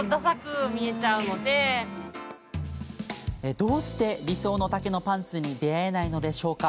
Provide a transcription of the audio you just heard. どうして理想の丈のパンツに出会えないのでしょうか？